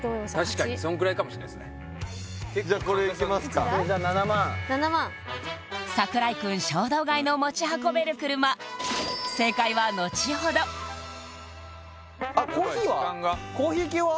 確かにそんくらいかもしれないっすねじゃこれいきますかこれじゃ７万７万櫻井くん衝動買いの持ち運べる車正解はのちほどコーヒー系は？